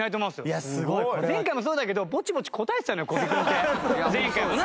前回もそうだけどぼちぼち答えてたのよ小尾君って前回もな。